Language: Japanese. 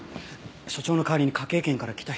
所長の代わりに科警研から来た人。